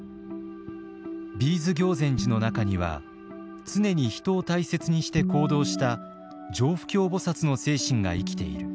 Ｂ’ｓ行善寺の中には常に人を大切にして行動した常不軽菩薩の精神が生きている。